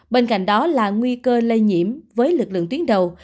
bên cạnh đó là nguy cơ lây nhiễm với lực lượng tuyến đầu